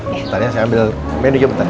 bentar ya saya ambil menu aja bentar ya